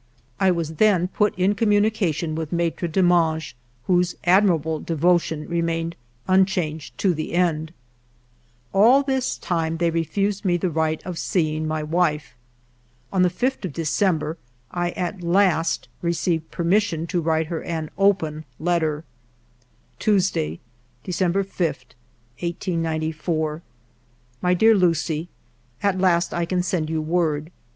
I was then put in communication with Maitre Demange, whose admirable devotion remained unchanged to the end. 1 8 FIVE YEARS OF MY LIFE All this time they refused me the right of seeing my wife. On the 5th of December I at last received permission to write her an open letter :—Tuesday, December 5, 1894. "My dear Lucie, —" At last I can send you word.